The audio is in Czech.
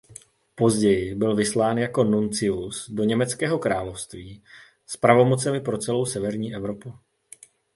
Později byl vyslán jako nuncius do Německého království s pravomocemi pro celou severní Evropu.